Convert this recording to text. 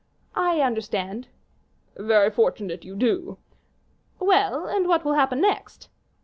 "I understand." "Very fortunate you do." "Well, and what will happen next?"